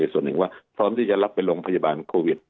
ส่วนหนึ่งว่าพร้อมที่จะรับไปโรงพยาบาลโควิด